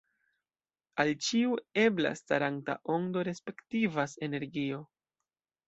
Al ĉiu ebla staranta ondo respektivas energio.